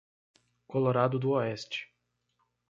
Colorado do Oeste